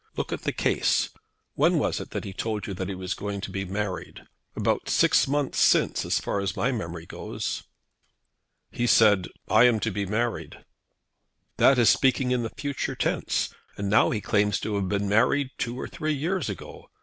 Look at the case. When was it that he told you that he was going to be married? About six months since, as far as my memory goes." "He said, 'I am to be married.'" "That is speaking in the future tense; and now he claims to have been married two or three years ago.